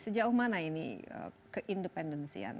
sejauh mana ini keindependensian